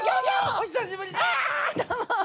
おひさしぶりです！